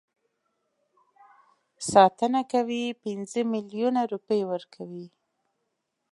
ساتنه کوي پنځه میلیونه روپۍ ورکوي.